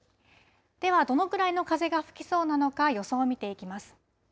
では、どのくらいの風が吹きそうなのか、予想を見ていきます。